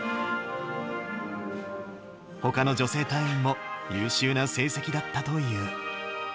ほかの女性隊員も優秀な成績だったという。